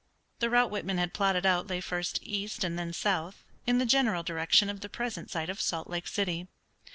The route Whitman had plotted out lay first east and then south, in the general direction of the present site of Salt Lake City.